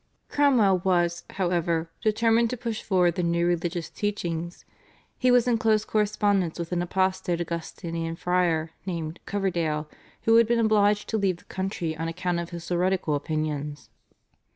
Cromwell was, however, determined to push forward the new religious teachings. He was in close correspondence with an apostate Augustinian friar named Coverdale, who had been obliged to leave the country on account of his heretical opinions.